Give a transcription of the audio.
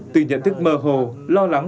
từ nhận thức mơ hồ lo lắng